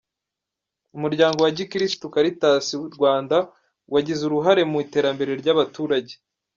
Umuryango wa Gikirisitu Caritas Rwanda: Wagize uruhare mu iterambere ry’abaturage.